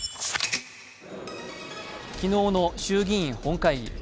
昨日の衆議院本会議。